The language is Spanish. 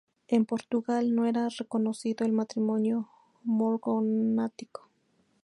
En Portugal, no era reconocido el matrimonio morganático.